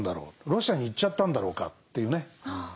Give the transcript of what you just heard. ロシアに行っちゃったんだろうか？というね。